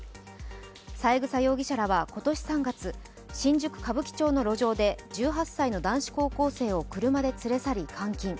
三枝容疑者らは今年３月新宿・歌舞伎町の路上で１８歳の男子高校生を車で連れ去り監禁。